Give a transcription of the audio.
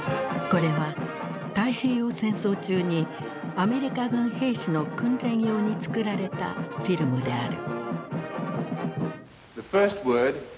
これは太平洋戦争中にアメリカ軍兵士の訓練用に作られたフィルムである。